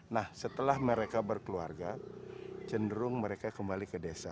nah setelah mereka berkeluarga cenderung mereka kembali ke desa